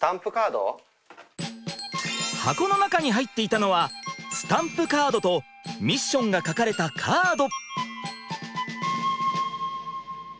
箱の中に入っていたのはスタンプカードとミッションが書かれたカード。